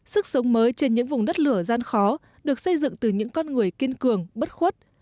sức sống mới trên những vùng đất lửa gian khó được xây dựng từ những con người kiên cường bất khuất